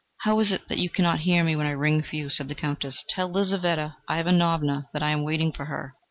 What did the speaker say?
"How is it that you cannot hear me when I ring for you?" said the Countess. "Tell Lizaveta Ivanovna that I am waiting for her."